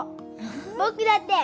僕だって！